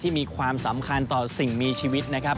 มีความสำคัญต่อสิ่งมีชีวิตนะครับ